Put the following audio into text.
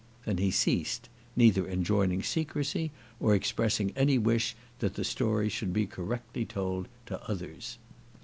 Then he ceased, neither enjoining secrecy, or expressing any wish that the story should be correctly told to others.